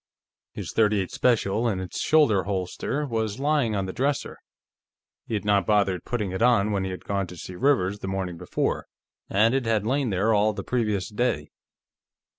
His .38 special, in its shoulder holster, was lying on the dresser; he had not bothered putting it on when he had gone to see Rivers the morning before, and it had lain there all the previous day.